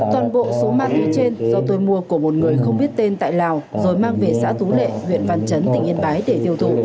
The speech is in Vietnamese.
toàn bộ số ma túy trên do tôi mua của một người không biết tên tại lào rồi mang về xã tú lệ huyện văn chấn tỉnh yên bái để tiêu thụ